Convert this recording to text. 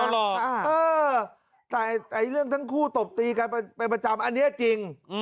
หรอแต่เรื่องทั้งคู่ตบตีกันเป็นประจำอันนี้จริง